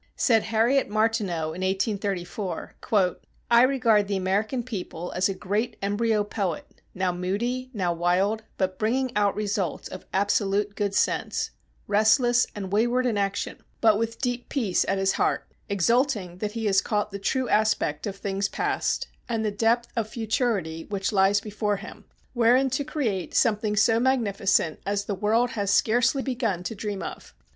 Said Harriet Martineau in 1834, "I regard the American people as a great embryo poet, now moody, now wild, but bringing out results of absolute good sense: restless and wayward in action, but with deep peace at his heart; exulting that he has caught the true aspect of things past, and the depth of futurity which lies before him, wherein to create something so magnificent as the world has scarcely begun to dream of.